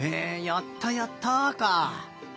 「やったやった」か。